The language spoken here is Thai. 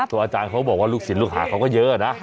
อาจารย์เขาบอกว่าลูกศิลปลูกหาเขาก็เยอะนะ